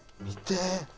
見て。